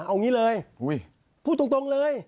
เอางี้เลยพูดตรงเลย